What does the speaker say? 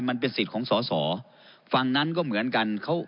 มันเป็นสิทธิ์ของสอสอฝั่งนั้นก็เหมือนกัน